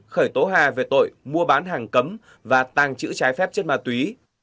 khởi tố hà về tội mua bán hàng cấm và tàng trữ trái phép chất ma túy